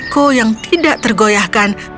hachi yang tidak tergoyahkan